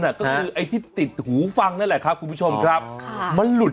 ก็คือไอ้ที่ติดหูฟังนั่นแหละครับคุณผู้ชมครับค่ะมันหลุด